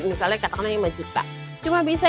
misalnya katakanlah lima juta cuma bisa